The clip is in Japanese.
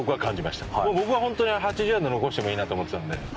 僕は本当に８０ヤード残してもいいなと思ってたので。